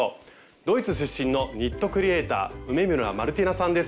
ドイツ出身のニットクリエーター梅村マルティナさんです。